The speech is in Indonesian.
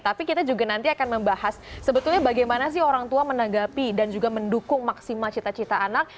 tapi kita juga nanti akan membahas sebetulnya bagaimana sih orang tua menanggapi dan juga mendukung maksimal cita cita anak